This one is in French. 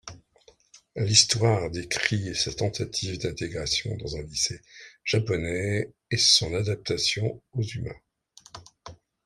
L'histoire décrit sa tentative d'intégration dans un lycée japonais et son adaptation aux humains.